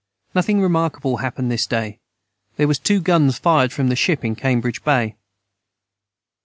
Nothing remarkable hapened this day there was too guns fired from the ship in Cambrige Bay.